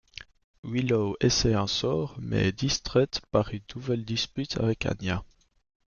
Willow essaie un sort mais est distraite par une nouvelle dispute avec Anya.